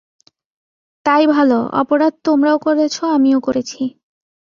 তাই ভালো, অপরাধ তোমরাও করেছ আমিও করেছি।